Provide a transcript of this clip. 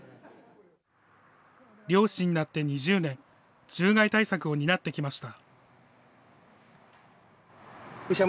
猟師になって２０年、獣害対策を担ってきました。